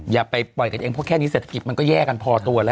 อย่าไปปล่อยกันเองเพราะแค่นี้เศรษฐกิจมันก็แย่กันพอตัวแล้ว